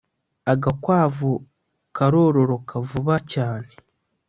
agakwavu karororoka vuba cyane